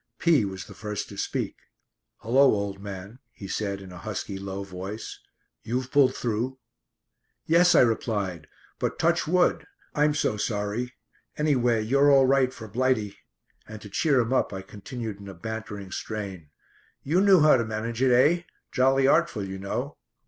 P was the first to speak. "Hullo, old man," he said in a husky, low voice. "You've pulled through?" "Yes," I replied. "But 'touchwood'! I'm so sorry. Anyway, you're all right for 'Blighty,'" and to cheer him up I continued in a bantering strain: "You knew how to manage it, eh? Jolly artful, you know."